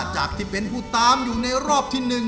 จากที่เป็นผู้ตามอยู่ในรอบที่๑